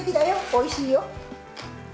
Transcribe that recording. おいしいよ。